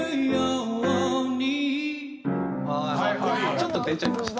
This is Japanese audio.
ちょっと出ちゃいました。